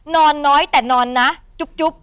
นอนน้อยแต่นอนนะจุ๊บ